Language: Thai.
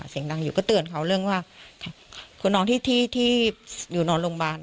เสียงดังอยู่ก็เตือนเขาเรื่องว่าคุณน้องที่อยู่นอนโรงพยาบาล